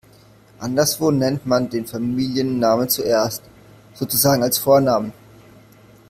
Anderswo nennt man den Familiennamen zuerst, sozusagen als Vornamen.